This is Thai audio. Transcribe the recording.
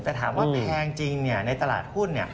แต่ถามว่าแพงจริงในตลาดหุ้น